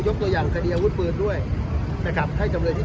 ตัวอย่างคดีอาวุธปืนด้วยนะครับให้จำเลยที่